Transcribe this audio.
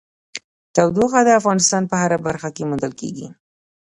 تودوخه د افغانستان په هره برخه کې موندل کېږي.